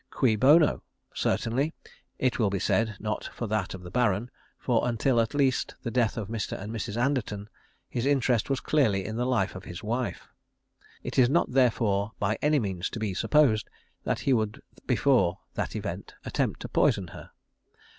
Cui bono? Certainly, it will be said, not for that of the Baron; for until at least the death of Mr. and Mrs. Anderton his interest was clearly in the life of his wife. It is not, therefore, by any means to be supposed that he would before that event attempt to poison her.